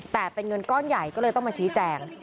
แต่เป็นเงินก้อนใหญ่ก็เลยต้องมาชี้แจง